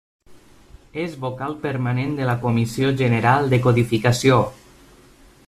És Vocal permanent de la Comissió General de Codificació.